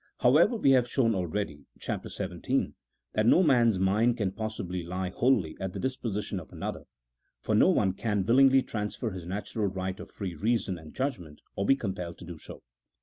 However, we have shown already (Chapter XVii.) that no man's mind can pos sibly He wholly at the disposition of another, for no one can willingly transfer his natural right of free reason and judg ment, or be compelled so to do.